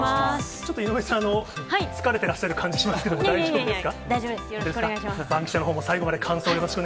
ちょっと井上さん、疲れてらっしゃる感じがしますけれどもいえいえいえ、大丈夫です。